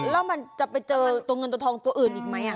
แล้วมันจะไปเจอตัวเงินตัวทองตัวอื่นอีกไหม